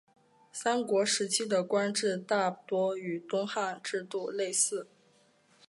三国时期的官制大多与东汉制度类似。